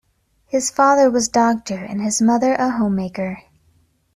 His father was doctor and his mother a homemaker.